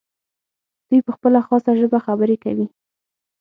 دوی په خپله خاصه ژبه خبرې کوي.